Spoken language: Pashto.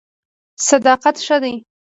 صداقت ښه دی.